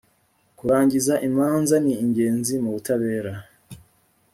kurangiza imanza ni ingenzi mu butabera